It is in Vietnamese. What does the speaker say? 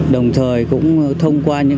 đồng thời cũng thông qua nhà trường